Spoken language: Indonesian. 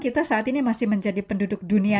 kita saat ini masih menjadi penduduk dunia